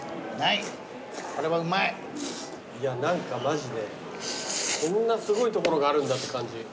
いや何かマジでこんなすごい所があるんだって感じ。